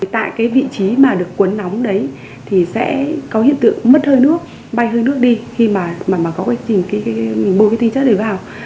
tại cái vị trí mà được quấn nóng đấy thì sẽ có hiện tượng mất hơi nước bay hơi nước đi khi mà có quá trình bô cái tinh chất này vào